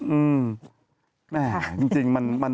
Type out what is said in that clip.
อืมแม่จริงมัน